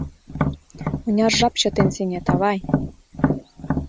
Мыняр жап чытен сеҥет, авай?